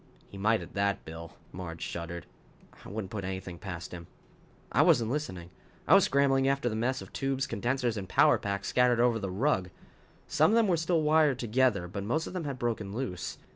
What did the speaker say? "He might at that, Bill," Marge shuddered. "I wouldn't put anything past him." I wasn't listening. I was scrambling after the mess of tubes, condensers and power packs scattered over the rug. Some of them were still wired together, but most of them had broken loose.